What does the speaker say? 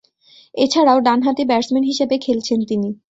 এছাড়াও, ডানহাতি ব্যাটসম্যান হিসেবে খেলছেন তিনি।